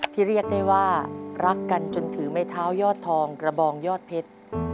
เรียกได้ว่ารักกันจนถือไม้เท้ายอดทองกระบองยอดเพชร